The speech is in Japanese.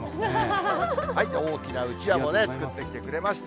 大きなうちわも作ってきてくれました。